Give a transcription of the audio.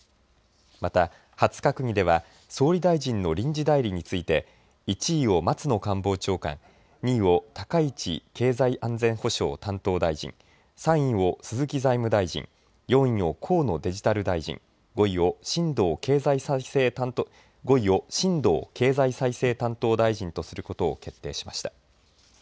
また、初閣議では総理大臣の臨時代理について１位を松野官房長官２位を高市経済安全保障担当大臣３位を鈴木財務大臣４位を河野デジタル大臣５位を新藤経済再生担当大臣とすることを決定しました。